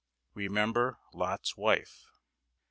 Remember Lot's wife.